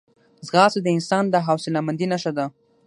ځغاسته د انسان د حوصلهمندۍ نښه ده